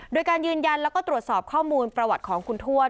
โดยการยืนยันแล้วก็ตรวจสอบข้อมูลประวัติของคุณทวด